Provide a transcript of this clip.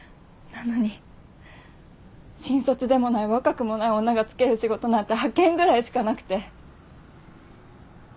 なのに新卒でもない若くもない女が就ける仕事なんて派遣ぐらいしかなくて。